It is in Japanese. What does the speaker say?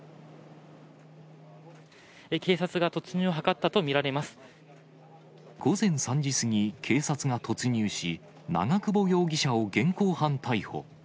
警察が突入を図ったと見られ午前３時過ぎ、警察が突入し、長久保容疑者を現行犯逮捕。